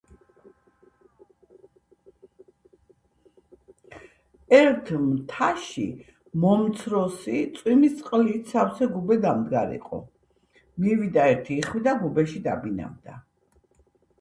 ერთ მთაში მომცროსი, წვიმის წყლით სავე გუბე დამდგარიყო. მივიდა ერთი იხვი და გუბეში დაბინავდა.